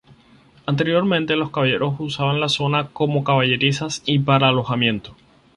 Anteriormente los caballeros usaban la zona como caballerizas y para alojamiento.